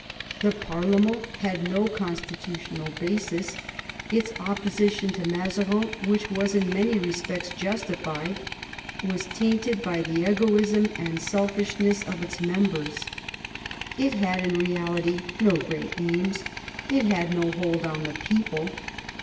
The parlement had no constitutional basis ; its opposition to Mazarin, which was in many respects justified, was tainted by the egoism and selfishness of its members. It had in reality no great aims ; it had no hold on the people.